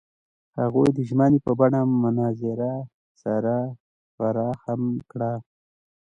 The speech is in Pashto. هغوی د ژمنې په بڼه منظر سره ښکاره هم کړه.